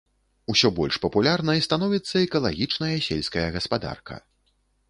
Усё больш папулярнай становіцца экалагічная сельская гаспадарка.